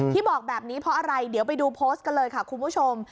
บอกแบบนี้เพราะอะไรเดี๋ยวไปดูโพสต์กันเลยค่ะคุณผู้ชม